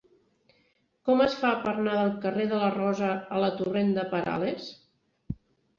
Com es fa per anar del carrer de la Rosa a la torrent de Perales?